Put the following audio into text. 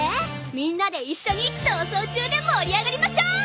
みんなで一緒に逃走中で盛り上がりましょう！